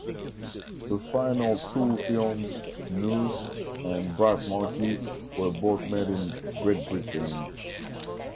Her final two films "Noose" and "Brass Monkey" were both made in Great Britain.